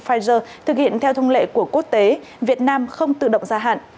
pfizer thực hiện theo thông lệ của quốc tế việt nam không tự động gia hạn